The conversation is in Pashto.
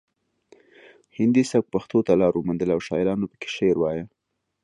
هندي سبک پښتو ته لار وموندله او شاعرانو پکې شعر وایه